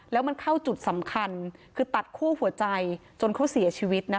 แล้วมันเข้าจุดสำคัญคือตัดคั่วหัวใจจนเขาเสียชีวิตนะคะ